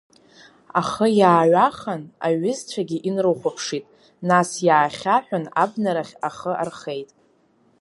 Ахы иааҩахан, аҩызцәагьы инрыхәаԥшит, нас иаахьаҳәын, абнарахь ахы археит.